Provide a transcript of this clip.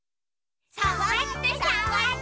「さわってさわって」